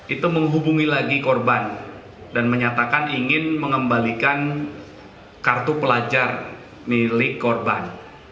itu menghubungi lagi korban dan menyatakan ingin mengembalikan kartu pelajar milik korban